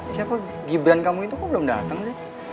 siapa gibran kamu itu kok belum datang sih